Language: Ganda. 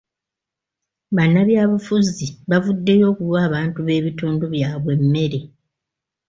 Bannabyabufuzi bavuddeyo okuwa abantu b'ebitundu byabwe emmere.